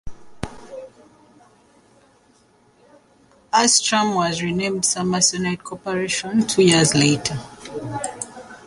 Astrum was renamed the Samsonite Corporation two years later.